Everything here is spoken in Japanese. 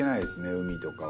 海とか。